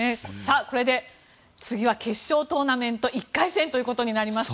これで次は決勝トーナメント１回戦となりますね。